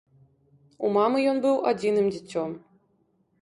У мамы ён быў адзіным дзіцем.